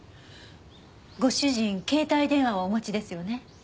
ご主人携帯電話はお持ちですよね？